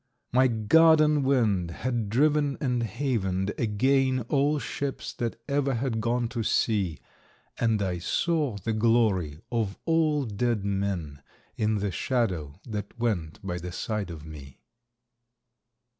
My garden wind had driven and havened again All ships that ever had gone to sea, And I saw the glory of all dead men In the shadow that went by the side of me.